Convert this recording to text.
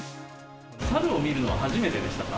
サルを見るのは初めてでしたか。